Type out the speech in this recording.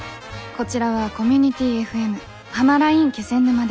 こちらはコミュニティＦＭ「はまらいん気仙沼」です。